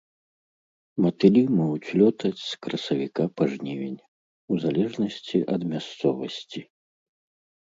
Матылі могуць лётаць з красавіка па жнівень, у залежнасці ад мясцовасці.